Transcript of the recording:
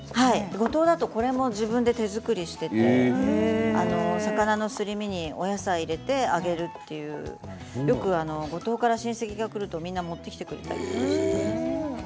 五島ではこれも手作りしていて魚のすり身にお野菜を入れて揚げる五島から親戚が来るとよく持ってきてくれたりします。